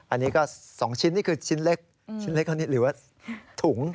อันนี้ก็๒ชิ้นนี่คือชิ้นเล็กเท่านั้นหรือว่าถุง